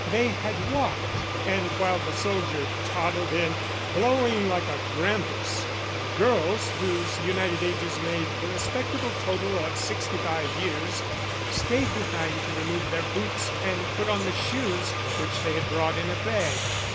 They had walked; and while the soldier toddled in, blowing like a grampus, the girls (whose united ages made the respectable total of sixty five years) stayed behind to remove their boots and put on the shoes which they had brought in a bag.